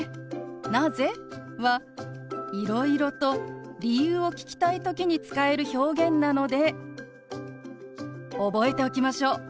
「なぜ？」はいろいろと理由を聞きたい時に使える表現なので覚えておきましょう。